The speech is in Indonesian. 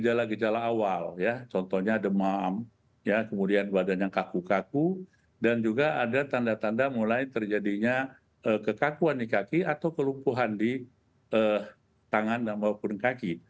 jadi yang perlu diberi makanan ini adalah kemungkinan misalnya asam cerah dan juga ada tanda tanda mulai terjadinya kekakuan di kaki atau kelupuhan di tangan maupun di kaki